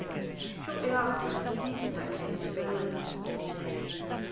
Shortly after, Mutimer came into the room.